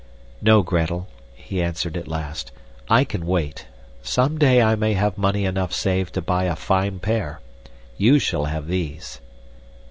"No, Gretel," he answered at last, "I can wait. Someday I may have money enough saved to buy a fine pair. You shall have these."